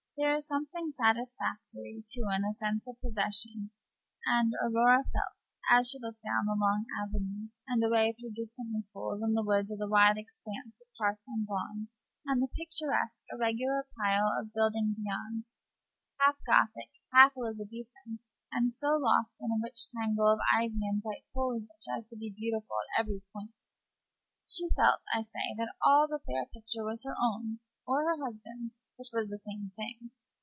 There is something satisfactory, too, in the sense of possession; and Aurora felt, as she looked down the long avenues, and away through distant loop holes in the wood to the wide expanse of park and lawn, and the picturesque irregular pile of building beyond, half Gothic, half Elizabethan, and so lost in a rich tangle of ivy and bright foliage as to be beautiful at every point she felt, I say, that all the fair picture was her own, or her husband's, which was the same thing.